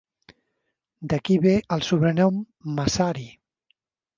D'aquí ve el sobrenom "Mazari".